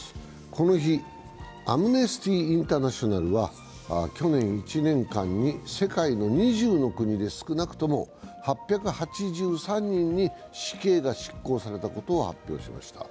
この日、アムネスティ・インターナショナルは去年１年間に世界の２０の国で少なくとも８８３人に死刑が執行されたことを発表しました。